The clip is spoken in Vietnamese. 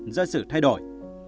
do sự thay đổi